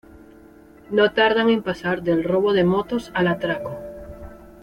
No tardan en pasar del robo de motos al atraco.